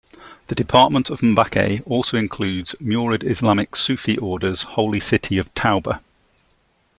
The Department of Mbacke also includes Murid Islamic Sufi order's holy city of Touba.